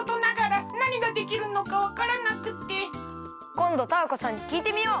こんどタアコさんにきいてみよう。